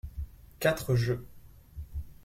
Quatre jeux.